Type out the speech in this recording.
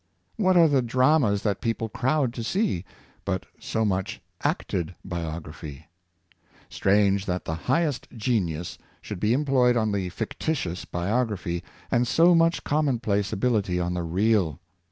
^ What are the dramas that people crowd to see, but so much acted biography? Strange that the highest genius should be employed on the fictitious biography, and so much commonplace ability on the real